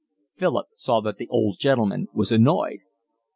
Philip saw that the old gentleman was annoyed.